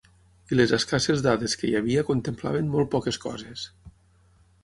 I les escasses dades que hi havia contemplaven molt poques coses.